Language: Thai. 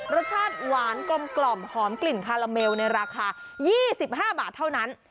รสชาติหวานกลมหอมกลิ่นคาราเมลในราคา๒๕บาทเท่านั้น